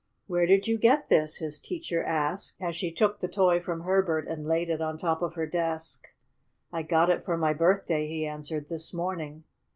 "Where did you get this?" his teacher asked, as she took the toy from Herbert and laid it on top of her desk. "I got it for my birthday," he answered. "This morning."